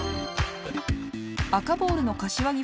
赤ボールの柏木